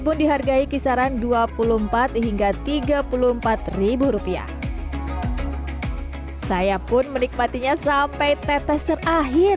pun dihargai kisaran dua puluh empat hingga tiga puluh empat rupiah saya pun menikmatinya sampai tetes terakhir